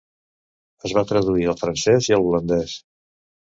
Es va traduir al francès i a l'holandès.